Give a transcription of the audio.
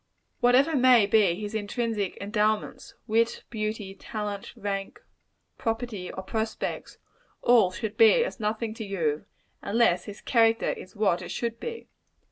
Whatever may be his extrinsic endowments wit, beauty, talent, rank, property or prospects all should be as nothing to you, unless his character is what it should be.